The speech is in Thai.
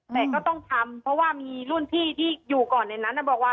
แต่ก็ต้องทำเพราะว่ามีรุ่นพี่ที่อยู่ก่อนในนั้นบอกว่า